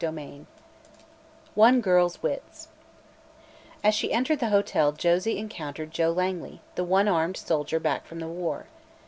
CHAPTER XX ONE GIRL'S WITS As she entered the hotel Josie encountered Joe Langley, the one armed soldier back from the war.